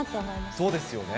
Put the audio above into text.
そうですよね。